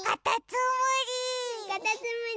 かたつむり！